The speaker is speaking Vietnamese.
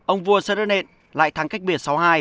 ông vua sardinian lại thắng cách biệt sáu hai